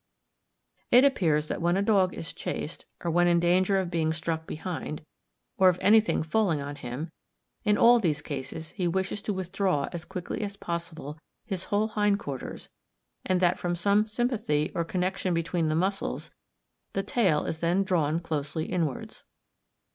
It appears that when a dog is chased, or when in danger of being struck behind, or of anything falling on him, in all these cases he wishes to withdraw as quickly as possible his whole hind quarters, and that from some sympathy or connection between the muscles, the tail is then drawn closely inwards.